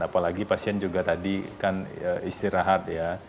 apalagi pasien juga tadi kan istirahat ya